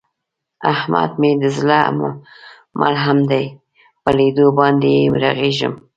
احمد مې د زړه ملحم دی، په لیدو باندې یې رغېږم.